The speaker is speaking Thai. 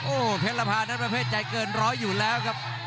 โอ้โหเพชรภานั้นประเภทใจเกินร้อยอยู่แล้วครับ